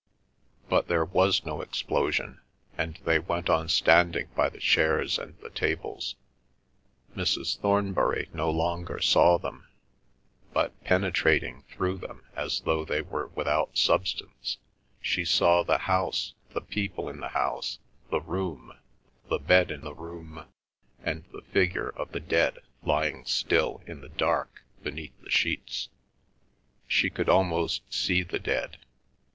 But there was no explosion, and they went on standing by the chairs and the tables. Mrs. Thornbury no longer saw them, but, penetrating through them as though they were without substance, she saw the house, the people in the house, the room, the bed in the room, and the figure of the dead lying still in the dark beneath the sheets. She could almost see the dead.